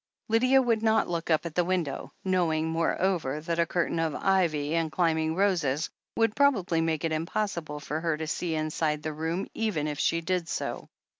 Lydia would not look up at the window, knowing, moreover, that a curtain of ivy and climbing roses would probably make it impossible for her to see inside the room even if she did so.